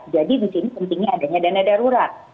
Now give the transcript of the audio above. jadi di sini pentingnya adanya dana darurat